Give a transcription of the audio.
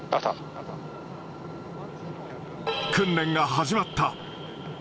訓練が始まった。